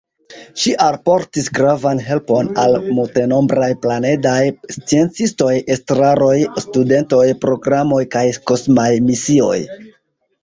Ŝi alportis gravan helpon al multenombraj planedaj sciencistoj, estraroj, studentoj, programoj kaj kosmaj misioj.